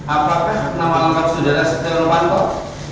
apakah nama lengkap saudara setelah memantau